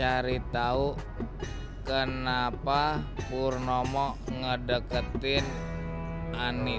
prestasi kita pelan eyang akan kabur lagi